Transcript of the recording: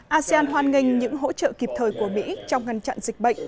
asean hoan nghênh những hỗ trợ kịp thời của mỹ trong ngăn chặn dịch bệnh